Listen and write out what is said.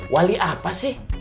wali apa sih